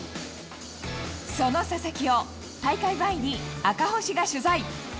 その佐々木を大会前に赤星が取材。